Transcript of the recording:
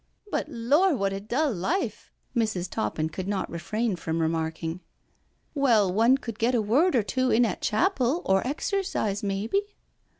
"But, Lor', what a dull life I" Mrs. Toppin could IN THE COURTYARD 87 not refrain from remarking. " Well, one could get a word or two in at chapel or exercise, maybe?"